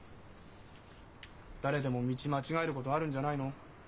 誰でも道間違えることあるんじゃないの？